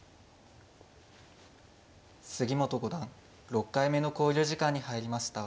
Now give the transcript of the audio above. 杉本五段６回目の考慮時間に入りました。